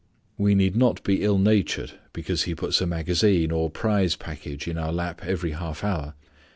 We need not be ill natured because he puts a magazine or prize package in our lap every half hour.